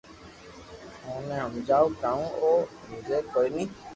اوني ھمجاوُ ڪاوُ او ھمجي ڪوئي ني